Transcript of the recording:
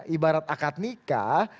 ibarat akad nikah